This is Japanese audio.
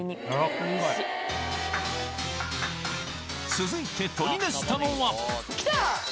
続いて取り出したのはきた！